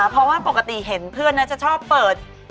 เพราะว่าปกติเห็นเพื่อนน่าจะชอบเปิด